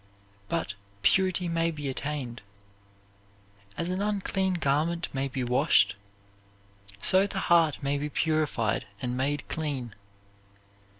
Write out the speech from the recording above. But purity may be attained. As an unclean garment may be washed, so the heart may be purified and made clean.